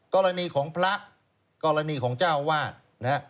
กรณีของพระกรณีของเจ้าวาดนะฮะ